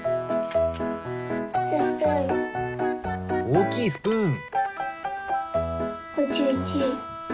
おおきいスプーン。